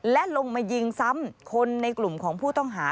และลงมายิงซ้ำคนในกลุ่มของผู้ต้องหา